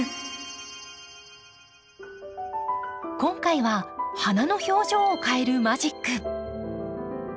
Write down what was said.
今回は花の表情を変えるマジック。